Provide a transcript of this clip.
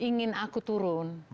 ingin aku turun